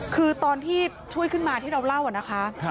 คือตอนที่ช่วยขึ้นมาที่เราเล่านะคะ